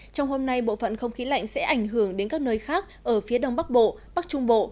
trong hôm nay bộ phận không khí lạnh sẽ ảnh hưởng đến các nơi khác ở phía đông bắc bộ bắc trung bộ